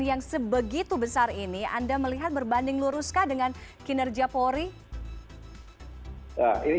yang sebegitu besar ini anda melihat berbanding luruskah dengan kinerja polri